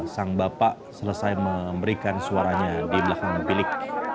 sang bapak selesai memberikan suaranya di belakang bilik